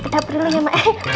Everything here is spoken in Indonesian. dapetin liat ya ma